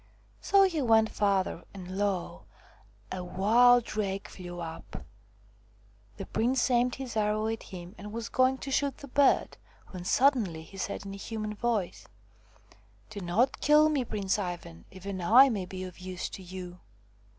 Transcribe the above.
So he went farther, and lo ! a wild drake flew up. The prince aimed his arrow at him and was going to shoot the bird, when suddenly he said in a human voice :" Do not kill me, Prince Ivan ! Even I may be of use to you."